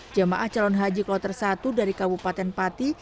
jemaah calon haji kloter satu dari kabupaten pati